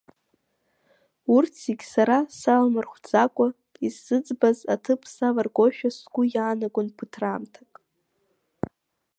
Урҭ зегьы, сара саламырхәӡакәа, исзыӡбаз аҭыԥ савыргошәа сгәы иаанагон ԥыҭраамҭак.